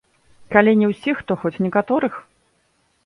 Калі не ўсіх, то хоць некаторых.